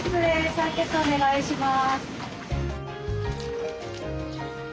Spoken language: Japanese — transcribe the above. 採血お願いします。